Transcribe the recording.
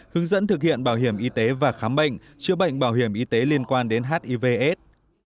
hướng dẫn thực hiện bảo hiểm y tế và khám bệnh chữa bệnh bảo hiểm y tế liên quan đến hivs